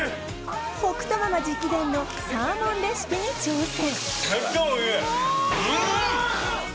北斗ママ直伝のサーモンレシピに挑戦！